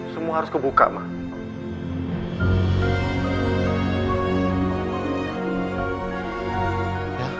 semua harus kebuka mak